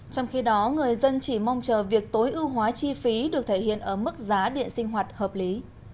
trong khi đó người dân chỉ mong chờ việc tối ưu hóa chi phí được thể hiện ở mức giá điện sinh hoạt hợp lý